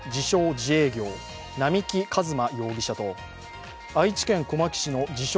・自営業、並木一真容疑者と愛知県小牧市の自称